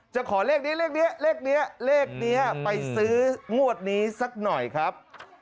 ขอเลขนี้เลขนี้เลขนี้เลขนี้ไปซื้องวดนี้สักหน่อยครับ